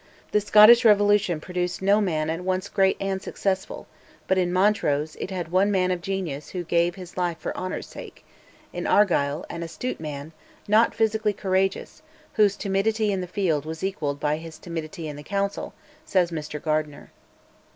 The Scottish Revolution produced no man at once great and successful, but, in Montrose, it had one man of genius who gave his life for honour's sake; in Argyll, an astute man, not physically courageous, whose "timidity in the field was equalled by his timidity in the Council," says Mr Gardiner.